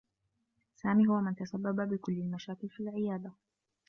سامي هو من تسبّب بكلّ المشاكل في العيادة.